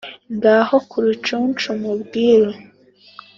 Ngaho ku Rucunshu mu Bwiru !